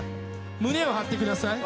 胸を張ってください。